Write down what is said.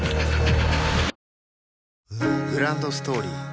グランドストーリー